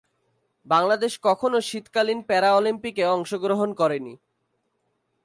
বাংলাদেশ কখনো শীতকালীন প্যারালিম্পিকে অংশগ্রহণ করেনি।